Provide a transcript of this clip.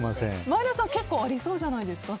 前田さん結構ありそうじゃないですか？